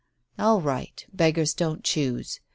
" "All right. Beggars don't choose.